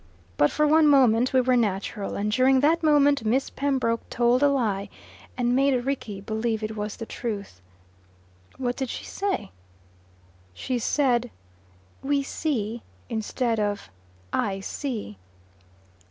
But for one moment we were natural, and during that moment Miss Pembroke told a lie, and made Rickie believe it was the truth." "What did she say?" "She said `we see' instead of 'I see.